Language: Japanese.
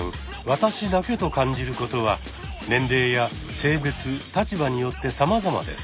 私だけと感じることは年齢や性別立場によってさまざまです。